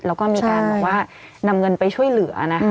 แล้วก็มีการบอกว่านำเงินไปช่วยเหลือนะ